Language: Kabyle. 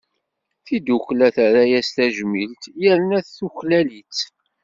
Tidukkla terra-as tajmilt, yerna tuklal-itt.